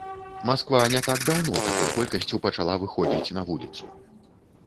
Масква не так даўно такой колькасцю пачала выходзіць на вуліцу.